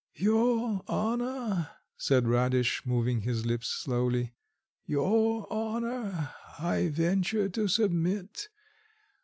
"Your honour," said Radish, moving his lips slowly, "your honour, I venture to submit.